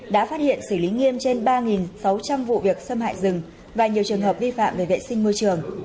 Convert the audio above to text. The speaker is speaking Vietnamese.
đã phát hiện xử lý nghiêm trên ba sáu trăm linh vụ việc xâm hại rừng và nhiều trường hợp vi phạm về vệ sinh môi trường